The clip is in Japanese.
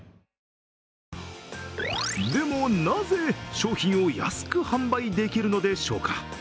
でもなぜ、商品を安く販売できるのでしょうか。